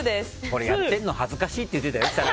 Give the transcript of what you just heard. これ、やってるの恥ずかしいって言ってたよ